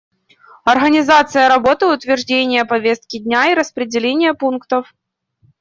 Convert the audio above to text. Организация работы, утверждение повестки дня и распределение пунктов.